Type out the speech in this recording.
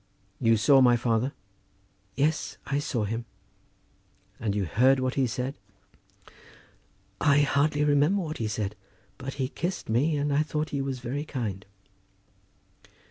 You saw my father?" "Yes, I saw him." "And you heard what he said?" "I hardly remember what he said; but he kissed me, and I thought he was very kind."